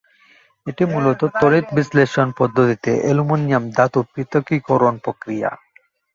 এটি মূলত তড়িৎ বিশ্লেষণ পদ্ধতিতে অ্যালুমিনিয়াম ধাতুর পৃথকীকরণ প্রক্রিয়া।